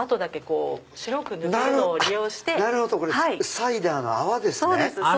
サイダーの泡ですね。